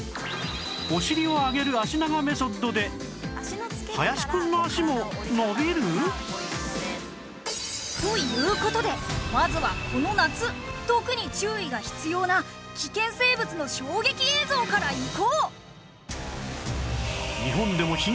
お尻を上げる脚長メソッドで林くんの脚も伸びる！？という事でまずはこの夏特に注意が必要な危険生物の衝撃映像からいこう！